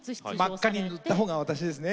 真っ赤に塗ったほうが私です。